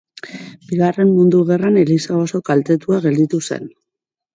Bigarren Mundu Gerran eliza oso kaltetua gelditu zen.